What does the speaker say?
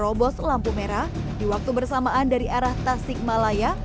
nero bos lampu merah di waktu bersamaan dari arah tasikmalaya